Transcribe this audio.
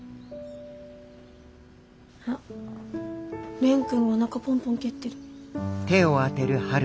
あっ蓮くんおなかポンポン蹴ってる。